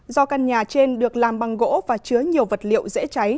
do căn nhà trên được làm bằng gỗ và chứa nhiều vật liệu dễ cháy